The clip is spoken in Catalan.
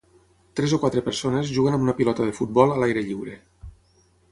Tres o quatre persones juguen amb una pilota de futbol a l'aire lliure.